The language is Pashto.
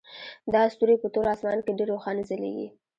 دا ستوري په تور اسمان کې ډیر روښانه ځلیږي